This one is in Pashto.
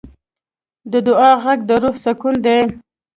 د دعا غږ د روح سکون دی.